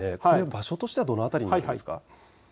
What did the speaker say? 場所としてはどの辺りですか。